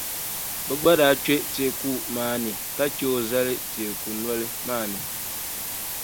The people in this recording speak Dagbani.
Bɛ gba daa kpe teeku maa ni ka che o zali teeku noli maa ni.